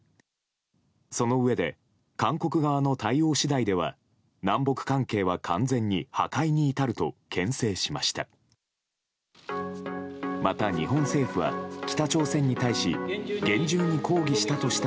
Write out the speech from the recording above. そのうえで、韓国側の対応次第では南北関係は完全に破壊に至ると牽制しました。